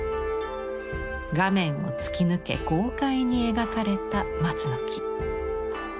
画面を突き抜け豪快に描かれた松の木。